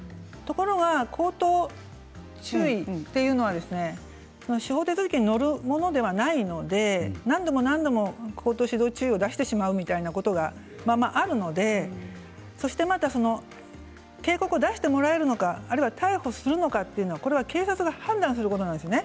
口頭注意というのは司法手続きによるものではないので何度も何度も口頭注意を出してしまうようなことがありますのでそしてまた警告を出してもらえるのか逮捕するのかというのは警察が判断することなんです。